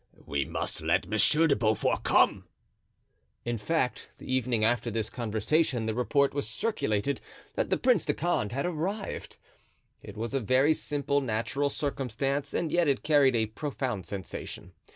We must let Monsieur de Beaufort come." In fact, the evening after this conversation the report was circulated that the Prince de Condé had arrived. It was a very simple, natural circumstance and yet it created a profound sensation.